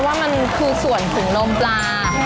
ว่ามันคือส่วนถุงนมปลา